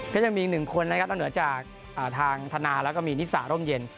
ก็ยังมีอีกหนึ่งคนนะครับนอกเหนือจากทางธนาแล้วก็มีนิสาร่มเย็น